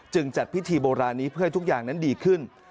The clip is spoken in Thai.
จัดพิธีโบราณนี้เพื่อให้ทุกอย่างนั้นดีขึ้น